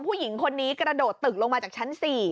ผู้หญิงคนนี้กระโดดตึกลงมาจากชั้น๔